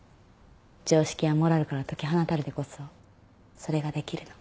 常識やモラルから解き放たれてこそそれができるの。